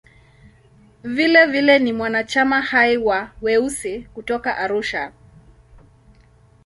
Vilevile ni mwanachama hai wa "Weusi" kutoka Arusha.